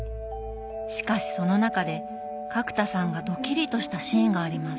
しかしその中で角田さんがドキリとしたシーンがあります。